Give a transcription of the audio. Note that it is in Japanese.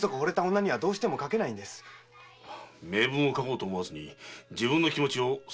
名文を書こうと思わずに自分の気持ちを素直に書けば。